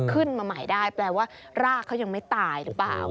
ขึ้นมาใหม่ได้แปลว่ารากเขายังไม่ตายหรือเปล่า